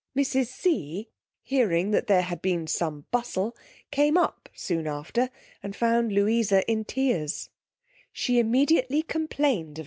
Mrs. C ge hearing there had been some bustle, came up soon after and found Louisa in tears: she immediately complained, of mr.